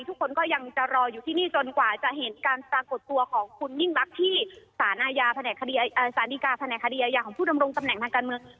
ทุกคนก็ยังจะรออยู่ที่นี่จนกว่าจะเห็นการปรากฏตัวของคุณยิ่งรักที่สารอาญาแผนดีการแผนกคดีอายาของผู้ดำรงตำแหน่งทางการเมือง